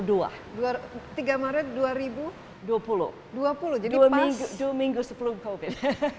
dua minggu sebelum covid